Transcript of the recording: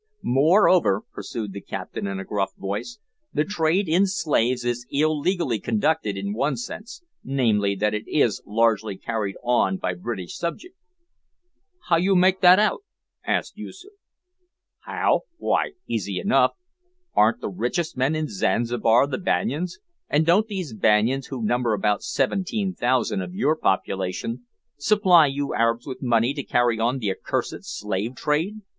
"Moreover," pursued the captain, in a gruff voice, "the trade in slaves is illegally conducted in one sense, namely, that it is largely carried on by British subjects." "How you make that out?" asked Yoosoof. "How? why, easy enough. Aren't the richest men in Zanzibar the Banyans, and don't these Banyans, who number about 17,000 of your population, supply you Arabs with money to carry on the accursed slave trade?